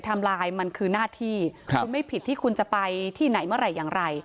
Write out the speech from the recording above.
ไลน์มันคือหน้าที่คุณไม่ผิดที่คุณจะไปที่ไหนเมื่อไหร่อย่างไร